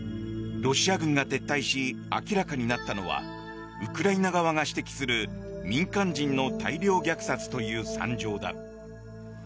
ロシア軍が撤退し明らかになったのはウクライナ側が指摘する民間人の大量虐殺という惨状だ。